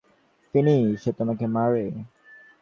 ফিনি, সে তোমাকে মারে।